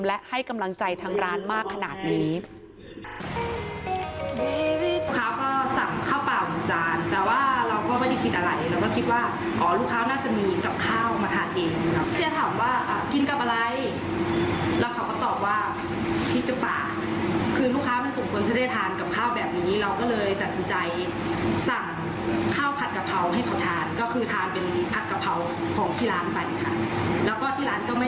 และให้กำลังใจทางร้านมากขนาดนี้